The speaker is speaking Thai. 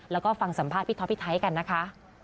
แล้วก็ฟังสัมภาษณ์พี่ท็อปพี่ไทยกันนะคะ